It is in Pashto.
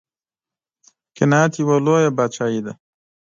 قناعت یوه لویه بادشاهي ده.